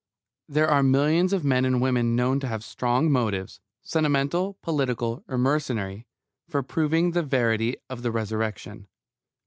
There are millions of men and women known to have strong motives sentimental, political, or mercenary for proving the verity of the Resurrection.